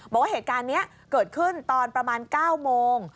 บอกว่าเหตุการณ์นี้เกิดขึ้นตอนประมาณ๙โมง